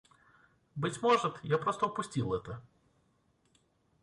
Быть может, я просто упустил это.